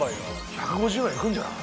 １５０はいくんじゃない？